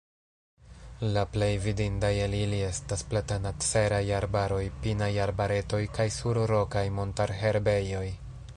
La plej vidindaj el ili estas platanaceraj arbaroj, pinaj arbaretoj kaj surrokaj montarherbejoj.